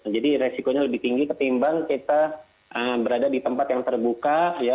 jadi risikonya lebih tinggi ketimbang kita berada di tempat yang terbuka ya